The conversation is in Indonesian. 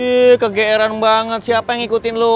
ih kegeeran banget siapa yang ngikutin lu